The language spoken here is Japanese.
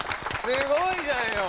すごいじゃんよ。